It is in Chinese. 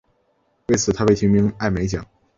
为此他被提名艾美奖。